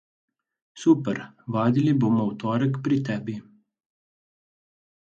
Super, vadili bomo v torek pri tebi.